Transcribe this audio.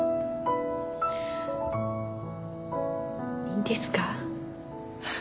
いいんですか？